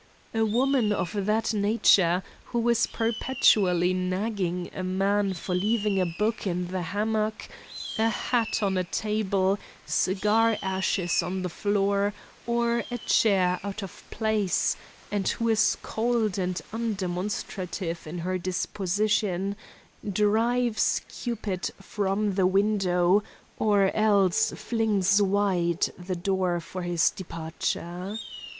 A woman of that nature, who is perpetually nagging a man for leaving a book in the hammock, a hat on a table, cigar ashes on the floor, or a chair out of place, and who is cold and undemonstrative in her disposition, drives Cupid from the window, or else flings wide the door for his departure.